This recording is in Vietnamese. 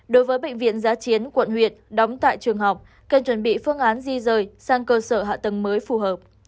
đối với bệnh viện giá chiến quận huyện đóng tại trường học cần chuẩn bị phương án di rời sang cơ sở hạ tầng mới phù hợp